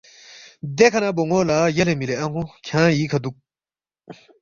دیکھہ نہ بون٘و لہ، ”یلے مِلی ان٘و کھیانگ ییکھہ دُوک